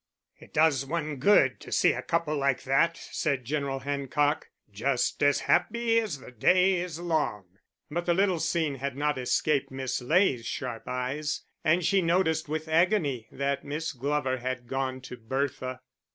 "It does one good to see a couple like that," said General Hancock, "just as happy as the day is long." But the little scene had not escaped Miss Ley's sharp eyes, and she noticed with agony that Miss Glover had gone to Bertha.